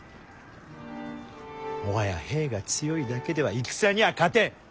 もはや兵が強いだけでは戦にゃあ勝てん！